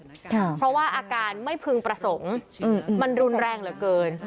เพราะว่าอาการไม่พึงประสงค์มันรุนแรงเหลือเกิน